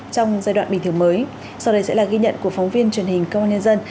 trong giai đoạn bình thường mới sau đây sẽ là ghi nhận của phóng viên truyền hình công an nhân dân